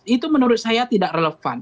itu menurut saya tidak relevan